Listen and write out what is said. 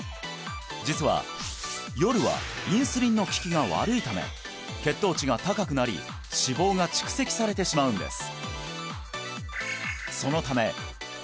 実は夜はインスリンの効きが悪いため血糖値が高くなり脂肪が蓄積されてしまうんです